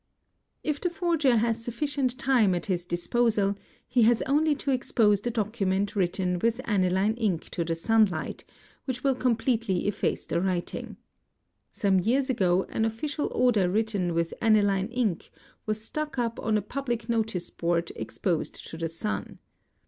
_ If the forger has sufficient time at his disposal he has only to expose the document written with aniline ink to the sun light, which will completely efface the writing. Some years ago an official order written with aniline ink was stuck up on a public notice board exposed to the sun.